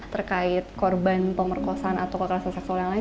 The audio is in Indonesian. terkait korban pemerkosaan atau kekerasan seksual yang lain